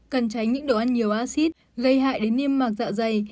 cần tránh những đồ ăn nhiều acid gây hại đến niêm mạc dạ dày